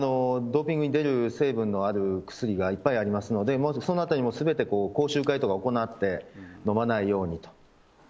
ドーピングに出る成分のある薬がいっぱいありますので、まずそのあたりもすべて講習会とか行って、飲まないように。